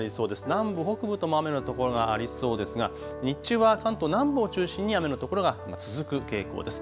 南部、北部とも雨の所がありそうですが、日中は関東南部を中心に雨の所が続く傾向です。